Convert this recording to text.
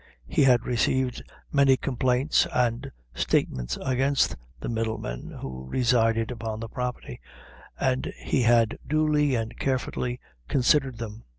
He had received many complaints and statements against the middlemen who resided upon the property, and he had duly and carefully considered them.